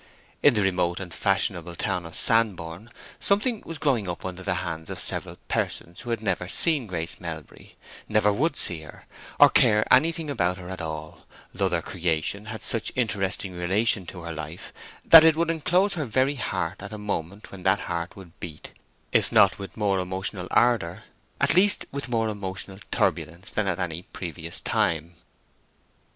In the remote and fashionable town of Sandbourne something was growing up under the hands of several persons who had never seen Grace Melbury, never would see her, or care anything about her at all, though their creation had such interesting relation to her life that it would enclose her very heart at a moment when that heart would beat, if not with more emotional ardor, at least with more emotional turbulence than at any previous time.